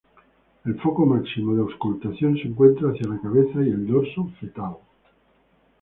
El foco máximo de auscultación se encuentra hacia la cabeza y el dorso fetal.